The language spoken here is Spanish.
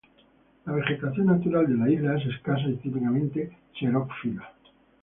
La vegetación natural de la Isla es escasa y típicamente xerófila.